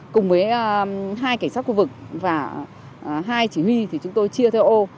cùng với hai cảnh sát khu vực và hai chỉ huy thì chúng tôi chia theo ô